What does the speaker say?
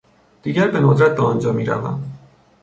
دیگر به ندرت به آنجا میروم.